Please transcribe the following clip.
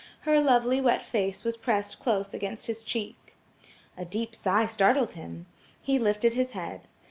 Her lovely wet face was pressed close against his cheek. A deep sigh startled him. He lifted his head.